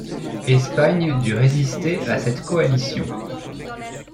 Espagne dut résister à cette coalition.